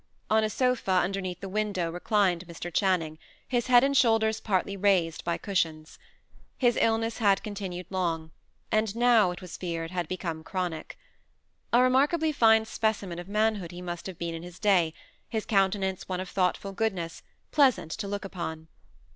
On a sofa, underneath the window, reclined Mr. Channing, his head and shoulders partly raised by cushions. His illness had continued long, and now, it was feared, had become chronic. A remarkably fine specimen of manhood he must have been in his day, his countenance one of thoughtful goodness, pleasant to look upon.